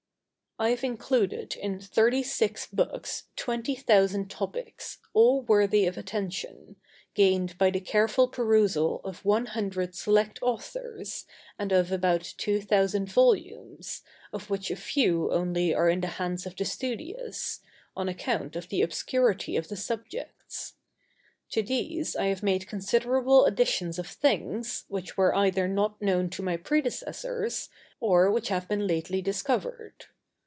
I have included in thirty six books twenty thousand topics, all worthy of attention, gained by the careful perusal of one hundred select authors, and of about two thousand volumes, of which a few only are in the hands of the studious, on account of the obscurity of the subjects. To these I have made considerable additions of things, which were either not known to my predecessors, or which have been lately discovered.